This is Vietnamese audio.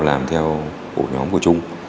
làm theo ổ nhóm của chúng